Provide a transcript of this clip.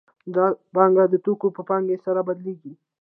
دا پانګه د توکو په پانګه سره بدلېږي